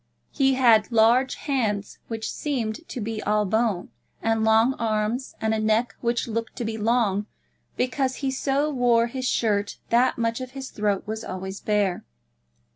He had large hands, which seemed to be all bone, and long arms, and a neck which looked to be long because he so wore his shirt that much of his throat was always bare.